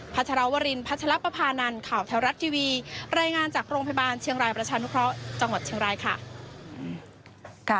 ชรวรินพัชรปภานันข่าวแถวรัฐทีวีรายงานจากโรงพยาบาลเชียงรายประชานุเคราะห์จังหวัดเชียงรายค่ะ